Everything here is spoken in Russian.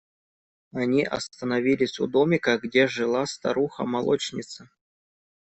Они остановились у домика, где жила старуха молочница.